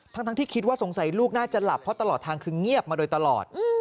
ทั้งที่คิดว่าสงสัยลูกน่าจะหลับเพราะตลอดทางคือเงียบมาโดยตลอด